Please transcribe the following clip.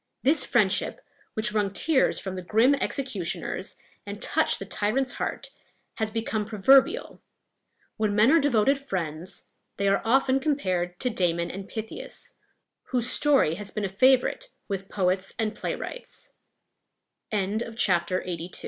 This friendship, which wrung tears from the grim executioners, and touched the tyrant's heart, has become proverbial. When men are devoted friends, they are often compared to Damon and Pythias, whose story has been a favorite with poets and playwrights. LXXXIII.